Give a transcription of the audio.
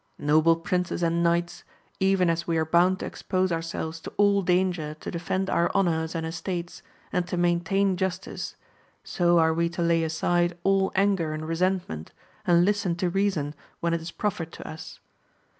Noble princes and knights, even as we are bound to expose ourselves to all danger to de fend our honours and estates, and to maintain justice, so are we to lay aside all anger and resentment, and listen to reason when it is proffered to us.